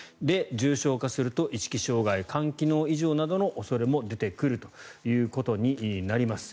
重症化すると意識障害、肝機能異常などの恐れも出てくるということになります。